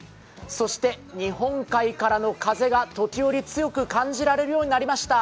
そして日本海からの風が時折強く感じられるようになりました。